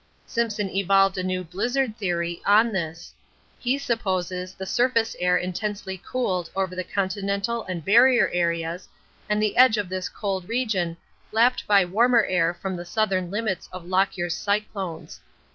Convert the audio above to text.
Simpson evolved a new blizzard theory on this. He supposes the surface air intensely cooled over the continental and Barrier areas, and the edge of this cold region lapped by warmer air from the southern limits of Lockyer's cyclones.